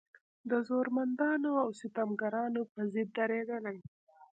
د زورمندانو او ستمګرانو په ضد درېدلې.